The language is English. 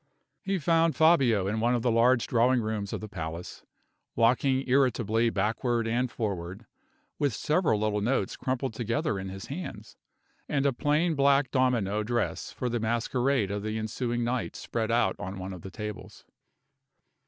He found Fabio in one of the large drawing rooms of the palace, walking irritably backward and forward, with several little notes crumpled together in his hands, and a plain black domino dress for the masquerade of the ensuing night spread out on one of the tables.